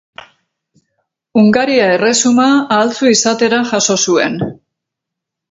Hungaria erresuma ahaltsu izatera jaso zuen.